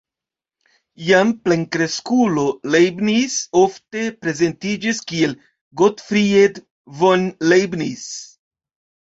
Jam plenkreskulo, Leibniz ofte prezentiĝis kiel "Gottfried von Leibniz".